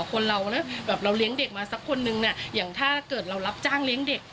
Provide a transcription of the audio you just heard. คนเราแล้วแบบเราเลี้ยงเด็กมาสักคนนึงเนี่ยอย่างถ้าเกิดเรารับจ้างเลี้ยงเด็ก